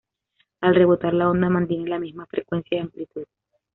Al rebotar, la onda mantiene la misma frecuencia y amplitud.